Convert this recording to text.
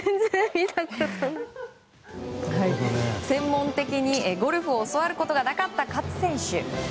専門的にゴルフを教わることがなかった勝選手。